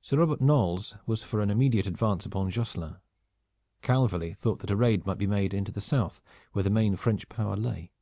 Sir Robert Knolles was for an immediate advance upon Josselin. Calverly thought that a raid might be made into the South where the main French power lay.